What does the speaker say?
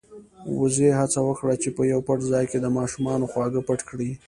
وزې هڅه وکړه چې په يو پټ ځای کې د ماشومانو خواږه پټ کړي.